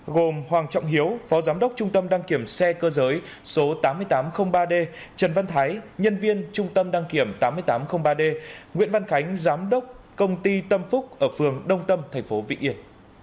gồm hoàng trọng hiếu phó giám đốc trung tâm đăng kiểm xe cơ giới số tám nghìn tám trăm linh ba d trần văn thái nhân viên trung tâm đăng kiểm tám nghìn tám trăm linh ba d nguyễn văn khánh giám đốc công ty tâm phúc ở phường đông tâm tp vĩnh yên